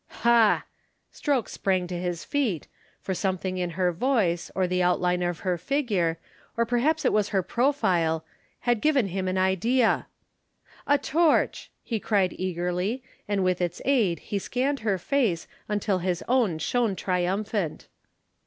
"Ha!" Stroke sprang to his feet, for something in her voice, or the outline of her figure, or perhaps it was her profile, had given him an idea. "A torch!" he cried eagerly and with its aid he scanned her face until his own shone triumphant.